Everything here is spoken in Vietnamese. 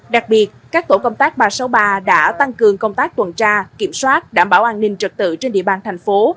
đặc biệt các tổ công tác ba trăm sáu mươi ba đã tăng cường công tác tuần tra kiểm soát đảm bảo an ninh trật tự trên địa bàn thành phố